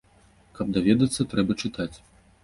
Каб даведацца, трэба чытаць.